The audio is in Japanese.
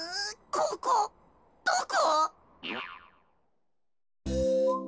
ここどこ？